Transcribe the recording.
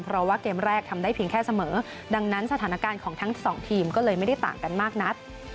เพราะว่าเกมแรกทำได้เพียงแค่เสมอดังนั้นสถานการณ์ของทั้งสองทีมก็เลยไม่ได้ต่างกันมากนัก